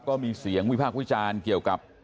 ก็มีเสียงมุมวิภาควิจารณ์เกี่ยวกับ